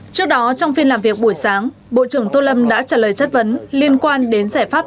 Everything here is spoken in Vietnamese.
trước đó trong phiên làm việc buổi sáng bộ trưởng tô lâm đã trả lời chất vấn liên quan đến giải pháp